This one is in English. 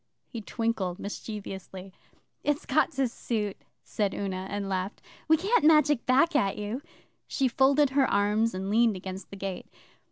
He twinkled mischievously. 'It's got to suit,' said Una, and laughed. 'We Can't magic back at you.' She folded her arms and leaned against the gate.